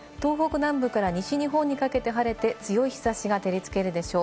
東北南部から西日本にかけて晴れて、強い日差しが照りつけるでしょう。